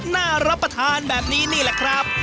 น่ารับประทานแบบนี้นี่แหละครับ